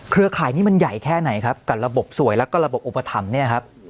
ร่ายนี้มันใหญ่แค่ไหนครับกับระบบสวยแล้วก็ระบบอุปถัมภ์เนี่ยครับ